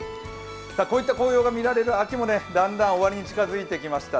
こういった紅葉が見られる秋もだんだん終わりに近づいてきました。